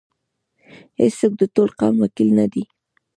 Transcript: هیڅوک د ټول قوم وکیل نه دی.